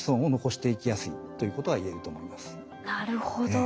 なるほど。